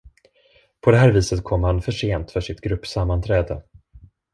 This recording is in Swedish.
På det här viset kom han försent för sitt gruppsammanträde.